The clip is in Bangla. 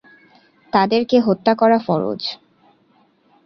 তাদেরকে হত্যা করা ফরয।